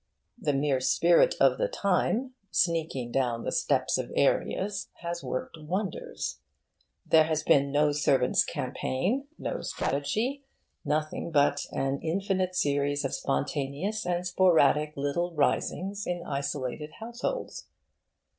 The mere Spirit of the Time, sneaking down the steps of areas, has worked wonders. There has been no servants' campaign, no strategy, nothing but an infinite series of spontaneous and sporadic little risings in isolated households.